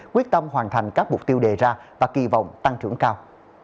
quyết tâm hoàn thành các mục tiêu đề ra và kỳ vọng tăng trưởng cao